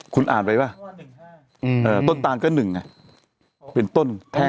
คุณอ่านไปป่ะเออต้นตานก็๑น่ะเป็นต้นแทน